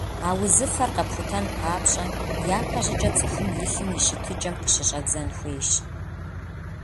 А узыфэр къэпхутэн папщӏэ, япэ щӏыкӏэ цӏыхум и лъым и щытыкӀэм къыщыщӀэдзэн хуейщ.